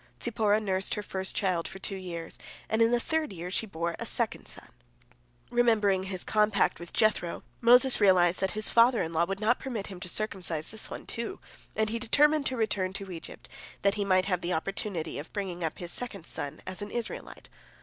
" Zipporah nursed her first child for two years, and in the third year she bore a second son. Remembering his compact with Jethro, Moses realized that his father in law would not permit him to circumcise this one, too, and he determined to return to Egypt, that he might have the opportunity of bringing up his second son as an Israelite.